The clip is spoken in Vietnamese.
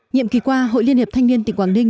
nhiệm kỳ qua hội liên hiệp thanh niên tỉnh quảng ninh